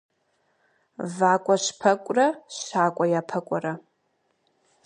ВакӀуэщпэкӀурэ щакӀуэ япэкӀуэрэ.